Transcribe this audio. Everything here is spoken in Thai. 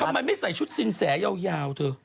ทำไมไม่ใส่ชุดสินแสยาวเธอ